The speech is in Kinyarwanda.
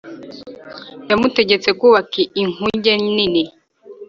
Yamutegetse kubaka inkuge nini